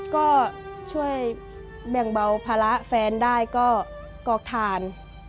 ก็ช่วยแบ่งเบาภาระแฟนได้ก็กรอกทาน